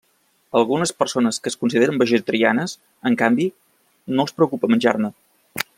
A algunes persones que es consideren vegetarianes, en canvi, no els preocupa menjar-ne.